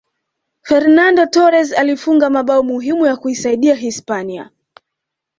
fernando torres alifunga mabao muhimu ya kuisaidia hispania